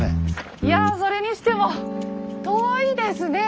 いやそれにしても遠いですね。